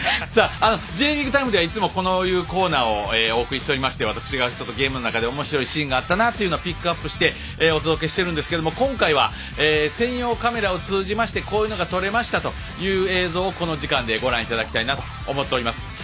「Ｊリーグタイム」ではいつもこういうコーナーをお送りしておりまして私がゲームの中でおもしろいシーンがあったなというのをピックアップしてお届けしているんですが今回は専用カメラを通じてこういうものが撮れましたという映像を、この時間でご覧いただきたいと思っています。